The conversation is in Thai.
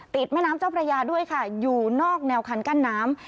แม่น้ำเจ้าพระยาด้วยค่ะอยู่นอกแนวคันกั้นน้ำ